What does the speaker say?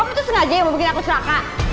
kamu tuh sengaja yang bikin aku celaka